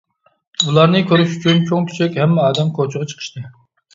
ئۇلارنى كۆرۈش ئۈچۈن چوڭ - كىچىك ھەممە ئادەم كوچىغا چىقىشتى.